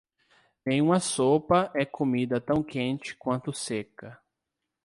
Nenhuma sopa é comida tão quente quanto seca.